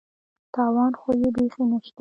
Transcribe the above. تاوان خو یې بېخي نشته.